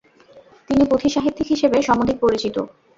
তিনি পুথিঁ সাহিত্যিক হিসেবে সমধিক পরিচিত।